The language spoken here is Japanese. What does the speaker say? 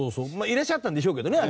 いらっしゃったんでしょうけどね